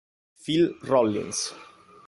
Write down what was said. Phil Rollins